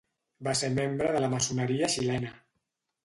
Va ser membre de la maçoneria xilena.